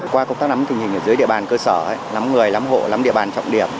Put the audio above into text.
qua công tác nắm tình hình ở dưới địa bàn cơ sở lắm người lắm hộ lắm địa bàn trọng điểm